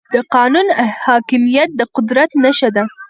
د قانون حاکميت د قدرت نښه ده.